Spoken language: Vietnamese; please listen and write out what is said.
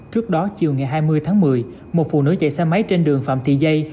trước đó chiều ngày hai mươi tháng một mươi một phụ nữ chạy xe máy trên đường phạm thị dây